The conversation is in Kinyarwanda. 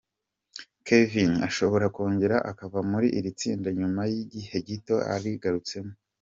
Kevin ashobora kongera akava muri iri tsinda nyuma y'igihe gito arigarutsemo.